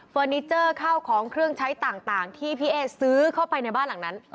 นิเจอร์ข้าวของเครื่องใช้ต่างที่พี่เอ๊ซื้อเข้าไปในบ้านหลังนั้น